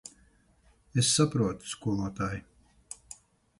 Es saprotu, skolotāj.